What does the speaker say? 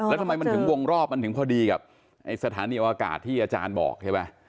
แล้วทำไมมันถึงวงรอบมันถึงพอดีกับไอ้สถานีอวกาศที่อาจารย์บอกใช่ไหม